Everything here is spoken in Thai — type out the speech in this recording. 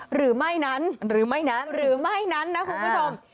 หรือไม่นั้นหรือไม่นั้นหรือไม่นั้นนะคุณผู้ชม